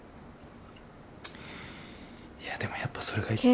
いやでもやっぱそれが。